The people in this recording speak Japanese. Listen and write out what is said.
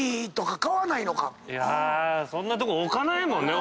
いやそんなとこ置かないもんね。